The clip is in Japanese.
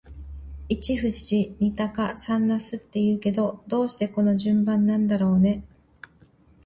一富士、二鷹、三茄子って言うけど、どうしてこの順番なんだろうね。